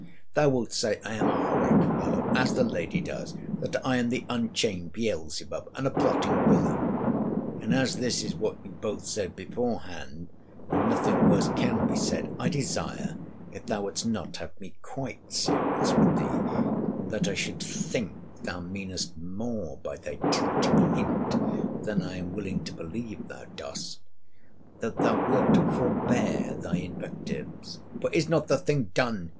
Thou wilt say I am a horrid fellow!—As the lady does, that I am the unchained Beelzebub, and a plotting villain: and as this is what you both said beforehand, and nothing worse can be said, I desire, if thou wouldst not have me quite serious with thee, and that I should think thou meanest more by thy tilting hint than I am willing to believe thou dost, that thou wilt forbear thy invectives: For is not the thing done?